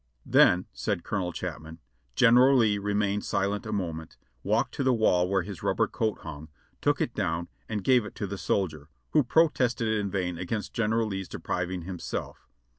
"Then," said Colonel Chapman, "General Lee remained silent a moment, walked to the wall where his rubber coat hung, took it down and gave it to the soldier, who protested in vain against Gen eral Lee's depriving himself.